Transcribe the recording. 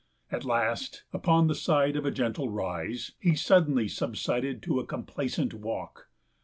At last, upon the side of a gentle rise, he suddenly subsided to a complacent walk.